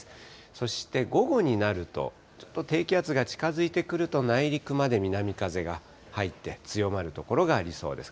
そして午後になると、ちょっと低気圧が近づいてくると、内陸まで南風が入って、強まる所がありそうです。